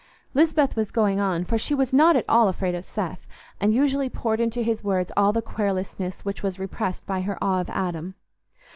Lisbeth was going on, for she was not at all afraid of Seth, and usually poured into his ears all the querulousness which was repressed by her awe of Adam.